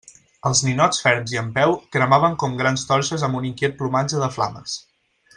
Els ninots ferms i en peu cremaven com grans torxes amb un inquiet plomatge de flames.